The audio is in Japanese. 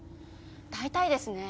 だいたいですね